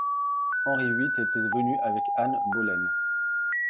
Henri huit était venu avec Anne Boleyn.